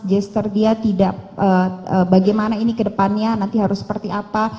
gesture dia tidak bagaimana ini ke depannya nanti harus seperti apa